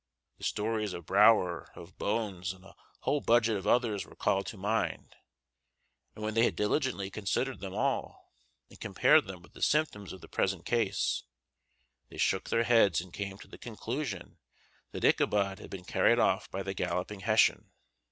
The stories of Brouwer, of Bones, and a whole budget of others were called to mind, and when they had diligently considered them all, and compared them with the symptoms of the present case, they shook their heads and came to the conclusion that Ichabod had been carried off by the galloping Hessian.